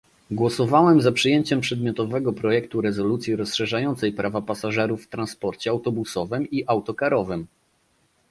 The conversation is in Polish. Głosowałem za przyjęciem przedmiotowego projektu rezolucji rozszerzającej prawa pasażerów w transporcie autobusowym i autokarowym